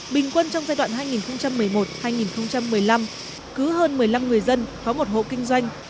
bình quân trong giai đoạn hai nghìn một mươi một hai nghìn một mươi năm cứ hơn một mươi năm người dân có một hộ kinh doanh